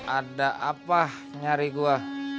ada apa nyari gua